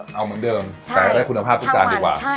เอาเหมือนเดิมแต่ได้คุณภาพทุกจานดีกว่า